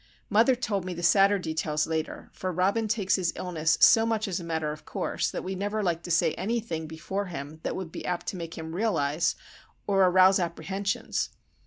Mother told me the sadder details later, for Robin takes his illness so much as a matter of course that we never like to say anything before him that would be apt to make him realise, or arouse apprehensions.